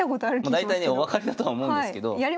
大体ねお分かりだとは思うんですけど。